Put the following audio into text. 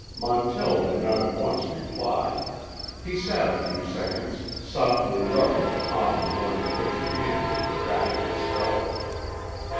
Montell did not at once reply. He sat a few seconds, softly rubbing the palm of one pudgy hand over the back of its fellow.